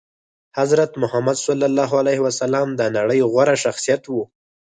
حضرت محمد د نړي غوره شخصيت وو